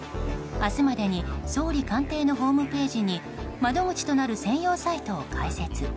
明日までに総理官邸のホームページに窓口となる専用サイトを開設。